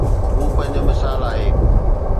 هو پنهنجو مثال آهي.